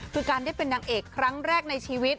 คือการได้เป็นนางเอกครั้งแรกในชีวิต